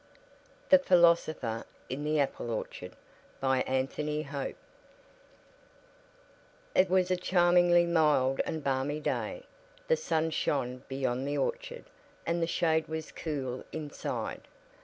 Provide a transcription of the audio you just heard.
THE PHILOSOPHER IN THE APPLE ORCHARD BY ANTHONY HOPE It was a charmingly mild and balmy day. The sun shone beyond the orchard, and the shade was cool inside.